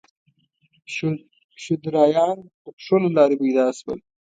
شودرایان د پښو له لارې پیدا شول.